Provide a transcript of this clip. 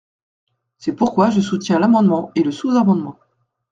C’est pourquoi je soutiens l’amendement et le sous-amendement.